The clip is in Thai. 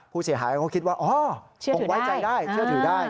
ผู้เสียหายเขาคิดว่าอ๋อคงไว้ใจได้เชื่อถือได้